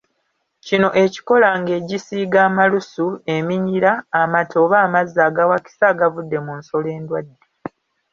Kino ekikola nga egisiiga amalusu, eminyira, amata oba amazzi agawakisa agavudde mu nsolo endwadde.